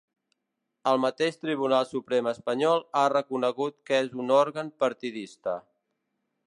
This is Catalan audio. El mateix Tribunal Suprem espanyol ha reconegut que és un òrgan partidista.